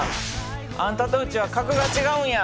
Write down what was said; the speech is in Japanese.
あんたとうちは格が違うんや。